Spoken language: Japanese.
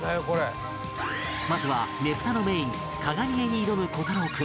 まずはねぷたのメイン鏡絵に挑む虎太朗君